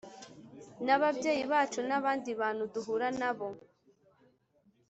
n’ababyeyi bacu n’abandi bantu duhura na bo